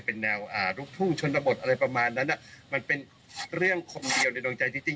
เป็นแนวลูกทุ่งชนบทอะไรประมาณนั้นมันเป็นเรื่องคนเดียวในดวงใจจริง